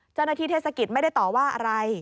เจ้าหน้าที่เทศกิจไม่ได้ต่อว่าอะไร